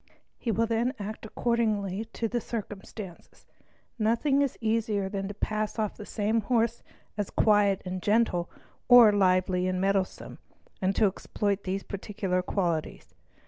He will then act according to circumstances. Nothing is easier than to pass off the same horse as quiet and gentle or lively and mettlesome, and to exploit these particular qualities.